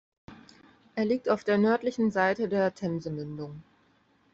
Er liegt auf der nördlichen Seite der Themse-Mündung.